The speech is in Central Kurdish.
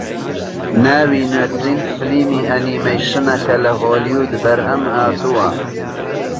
ناوی نوێترین فیلمی ئەنیمەیشنە کە لە هۆلیوود بەرهەمهاتووە